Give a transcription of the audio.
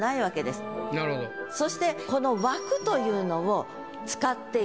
そしてこの「わく」というのを使っている。